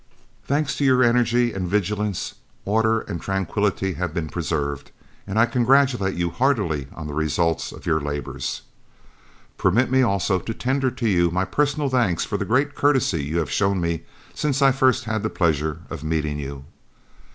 THANKS TO YOUR ENERGY AND VIGILANCE, ORDER AND TRANQUILLITY HAVE BEEN PRESERVED, and I congratulate you heartily on the result of your labours. "Permit me also to tender to you my personal thanks for the great courtesy you have shown me since I first had the pleasure of meeting you.